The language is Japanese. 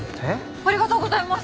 ありがとうございます！